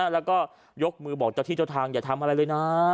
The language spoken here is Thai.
แล้วก็ยกมือบอกเจ้าที่เจ้าทางอย่าทำอะไรเลยนะ